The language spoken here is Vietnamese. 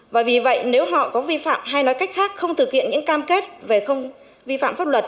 và vì vậy nếu họ có vi phạm hay nói cách khác không thực hiện những cam kết về không vi phạm pháp luật